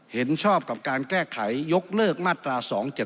เห็นชอบกับการแก้ไขยกเลิกมาตรา๒๗๒